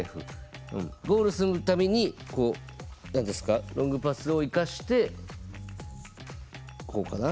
ゴールするためにこう何ですかロングパスを生かしてこうかな。